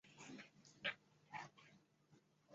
潮汐加速是行星与其卫星之间潮汐力的效应。